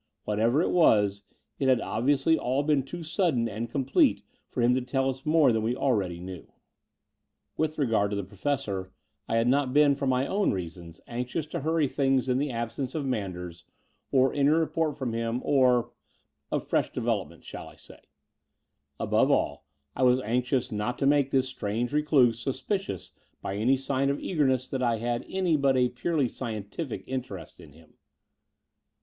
Whatever it was, it had obviously all been too sudden and complete for him to tell us more than we knew already. With regard to the Professor I had not been, I40 The Door of the Unreal for my own reasons, anxious to hurry things in the absence of Manders or any report from him or — of fresh developments, shall I say? Above all, I was anxious not to make this strange recluse suspicious by any sign of eagerness that I had any but a ptirdy scientific interest in him.